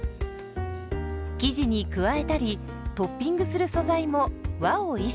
生地に加えたりトッピングする素材も和を意識。